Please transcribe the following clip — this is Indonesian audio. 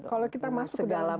kalau kita masuk ke dalam